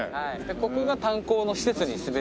ここが炭鉱の施設に全て。